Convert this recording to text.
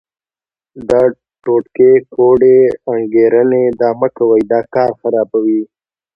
دا ټوټکې، کوډې، انګېرنې دا مه کوئ، دا کار خرابوي.